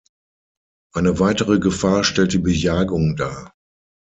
Eine weitere Gefahr stellt die Bejagung dar.